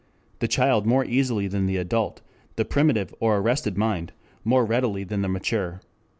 ] the child more easily than the adult, the primitive or arrested mind more readily than the mature.